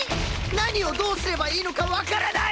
何をどうすればいいのかわからない！